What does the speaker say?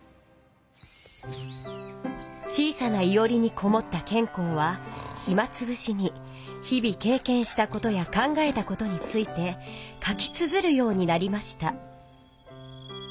小さないおりにこもった兼好はひまつぶしに日々けいけんしたことや考えたことについて書きつづるようになりました。